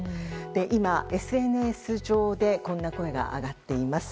今、ＳＮＳ上でこんな声が上がっています。